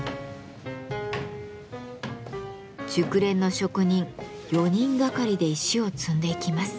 熟練の職人４人がかりで石を積んでいきます。